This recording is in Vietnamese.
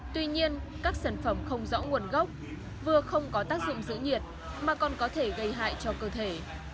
tuy nhiên các sản phẩm không rõ nguồn gốc vừa không có tác dụng giữ nhiệt mà còn có thể gây hại cho cơ thể